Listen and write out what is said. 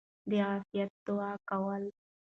د عافيت دعاء کوله!!.